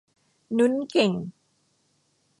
นุ้นเก่ง